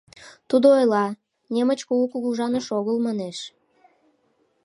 Тудо ойла, немыч кугу кугыжаныш огыл, манеш.